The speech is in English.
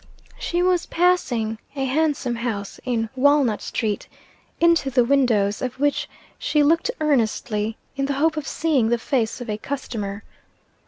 She was passing a handsome house in Walnut street, into the windows of which she looked earnestly, in the hope of seeing the face of a customer.